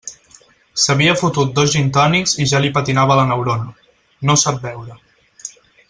S'havia fotut dos gintònics i ja li patinava la neurona; no sap beure.